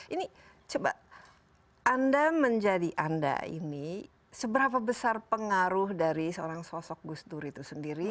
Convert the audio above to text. ini coba anda menjadi anda ini seberapa besar pengaruh dari seorang sosok gus dur itu sendiri